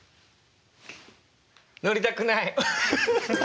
乗りたくない！